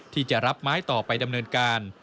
ที่จะรับไม้ต่อไปดำเนินการ